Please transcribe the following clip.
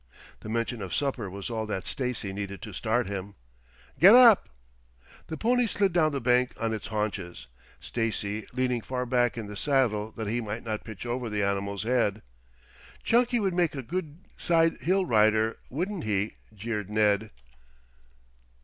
The mention of supper was all that Stacy needed to start him. "Gid ap!" The pony slid down the bank on its haunches, Stacy leaning far back in the saddle that he might not pitch over the animal's head. "Chunky would make a good side hill rider, wouldn't he?" jeered Ned.